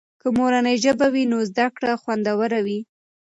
که مورنۍ ژبه وي نو زده کړه خوندور وي.